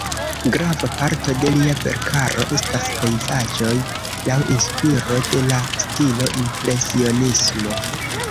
Grava parto de lia verkaro estas pejzaĝoj laŭ inspiro de la stilo impresionismo.